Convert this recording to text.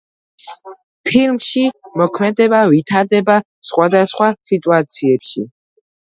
ფილმში მოქმედება ვითარდება სხვადასხვა სიტუაციებში.